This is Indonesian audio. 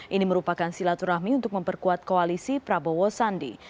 ini merupakan silaturahmi untuk memperkuat koalisi prabowo sandi